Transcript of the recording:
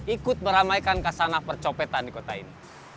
ikut meramaikan kasanah percopetan di kota ini